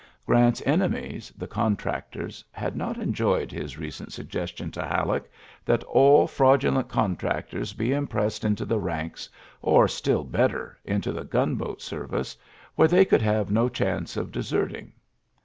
Grant's ene mies, the contractors, had not enjoyed his recent suggestion to HaUeck that ''all fraudulent contractors be impressed into the ranks, or, still better, into the gunboat service, where they could have no chance of deserting."